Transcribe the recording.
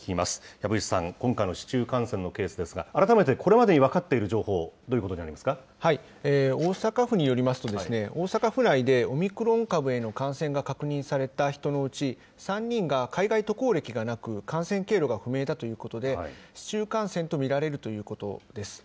籔内さん、今回の市中感染のケースですが、改めて、これまでに分かっている大阪府によりますと、大阪府内でオミクロン株への感染が確認された人のうち、３人が海外渡航歴がなく、感染経路が不明だということで、市中感染と見られるということです。